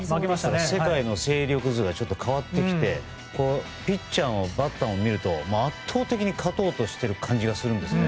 世界の勢力図が変わってきてピッチャーもバッターも見ると圧倒的に勝とうとしてる感じがするんですね。